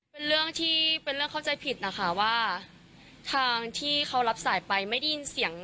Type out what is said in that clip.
เป็นเรื่องที่เป็นเรื่องเข้าใจผิดนะคะว่าทางที่เขารับสายไปไม่ได้ยินเสียง